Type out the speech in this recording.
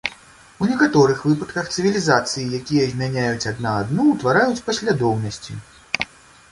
У некаторых выпадках, цывілізацыі, якія змяняюць адна адну ўтвараюць паслядоўнасці.